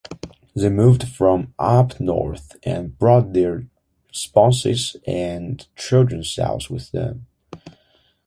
They moved from up north and brought their spouses and children south with them.